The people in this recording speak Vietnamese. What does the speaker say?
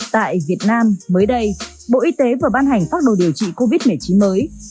tại việt nam mới đây bộ y tế vừa ban hành pháp đồ điều trị covid một mươi chín mới